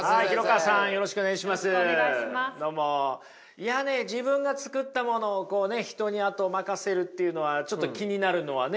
いやね自分が作ったものをこうね人にあとを任せるっていうのはちょっと気になるのはね